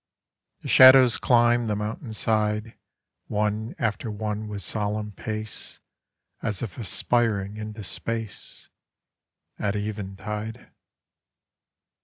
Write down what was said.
The shadows climb the mountainside One after one with solemn pace, As if aspiring into space, At even tide.